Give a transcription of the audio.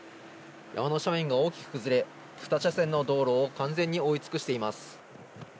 山の斜面が大きく崩れ、２車線の道路を完全に覆い尽くしています。